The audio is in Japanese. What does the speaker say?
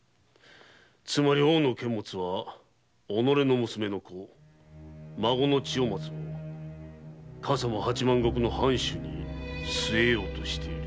つまり大野監物は娘の子・孫の千代松を笠間八万石の藩主に据えようとしている。